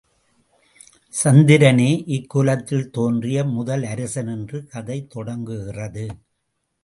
சந்திரனே இக்குலத்தில் தோன்றிய முதல் அரசன் என்று கதை தொடங்குகிறது.